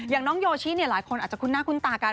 อย่างน้องโยชิหลายคนอาจจะคุ้นหน้าคุ้นตากัน